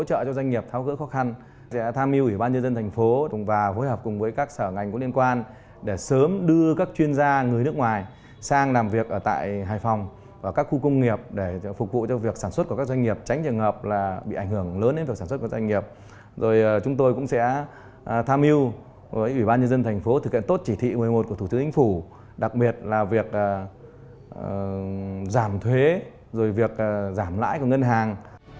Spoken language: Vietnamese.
chúng tôi thực hiện tốt chỉ thị một mươi một của thủ tướng chính phủ đặc biệt là việc giảm thuế rồi việc giảm lãi của ngân hàng